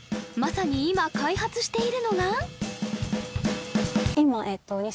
まさに今開発しているのが今えっと